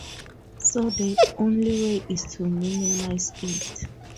So the only way is to minimize it.